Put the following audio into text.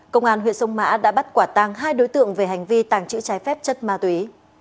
công an huyện sông mã đã bắt quả tàng hai đối tượng về hành vi tàng trữ trái phép chất ma túy